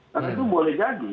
tapi itu boleh jadi